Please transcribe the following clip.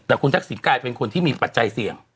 แต่คุณทักษิณกลายเป็นคนที่มีปัจจัยเสี่ยง